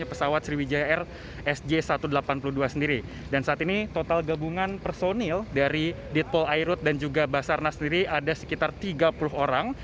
pagi ini tim gabungan dari ditpol airut dan juga basarnas sendiri ada sekitar tiga puluh orang